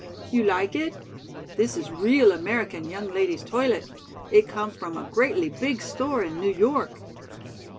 "You like it? This is real American young lady's toilet. It came from a greatly big store in New York."